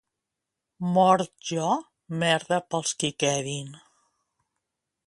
Mort jo, merda pels qui quedin.